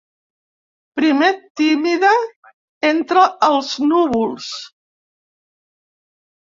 Primer tímida entre els núvols.